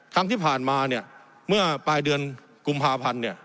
ครั้งที่ผ่านมาเนี่ยเมื่อปลายเดือนกุมภาพันธ์เนี่ย